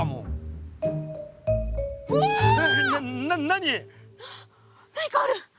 何かある。